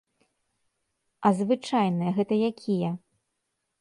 А звычайныя, гэта якія?